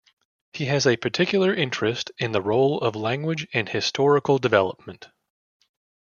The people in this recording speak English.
He has a particular interest in the role of language in historical development.